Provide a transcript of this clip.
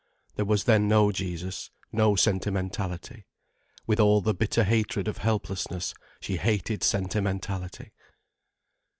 There was then no Jesus, no sentimentality. With all the bitter hatred of helplessness she hated sentimentality.